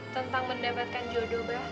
tentang mendapatkan jodohnya